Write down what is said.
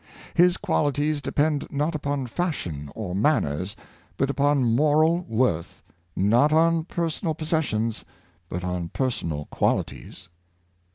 His qualities depend not upon fashion or manners, but upon moral worth — not on personal possessions, but on personal qualities.